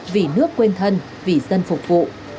vì nước quên thân vì dân phục vụ